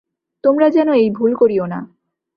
তোমরা যেন এই ভুল করিও না।